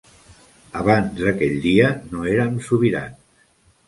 Abans d'aquell dia no érem sobirans.